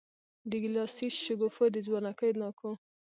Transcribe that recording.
د ګیلاسي شګوفو د ځوانکیو ناکو